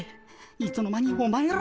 いつの間にお前ら。